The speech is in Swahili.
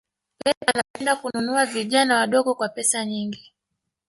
Pep anapenda kununua vijana wadogo kwa pesa nyingi